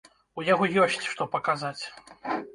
У яго ёсць што паказаць.